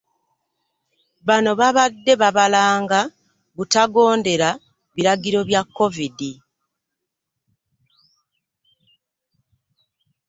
Bano babadde babalanga butagondera biragiro bya covid.